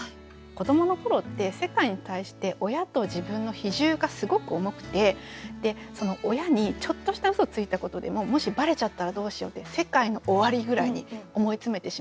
子どもの頃って世界に対して親と自分の比重がすごく重くてで親にちょっとした嘘ついたことでももしばれちゃったらどうしようって世界の終わりぐらいに思い詰めてしまう。